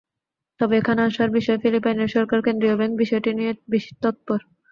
তবে এখানে আশার বিষয়, ফিলিপাইনের সরকার, কেন্দ্রীয় ব্যাংক বিষয়টি নিয়ে বেশ তৎপর।